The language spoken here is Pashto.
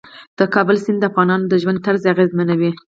د کابل سیند د افغانانو د ژوند طرز اغېزمنوي.